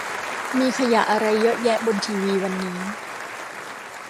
มีขยะอะไรเยอะแยะบนทีวีวันนี้